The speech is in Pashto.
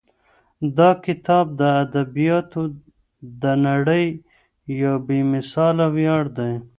دا کتاب د ادبیاتو د نړۍ یو بې مثاله ویاړ دی.